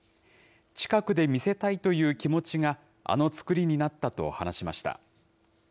近くで見せたいという気持ちが、あの造りになったと話しました。